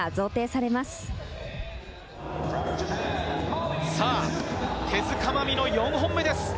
さぁ、手塚まみの４本目です。